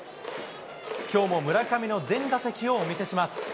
きょうも村上の全打席をお見せします。